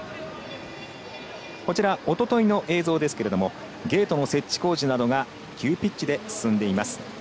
おとといの映像ですけれどもゲートの設置工事などが急ピッチで進んでいます。